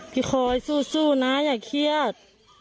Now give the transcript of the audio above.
พี่คอยสู้นะอย่าเครียด